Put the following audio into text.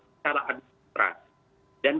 secara adil dan